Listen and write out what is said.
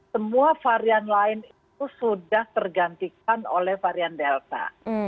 semua varian lain itu sudah tergantikan oleh varian delta